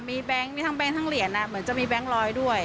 มีแบงค์มีทั้งแก๊งทั้งเหรียญเหมือนจะมีแบงค์ร้อยด้วย